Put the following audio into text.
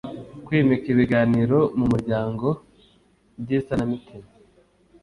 Kwimika ibiganiro mu muryango by’isanamitima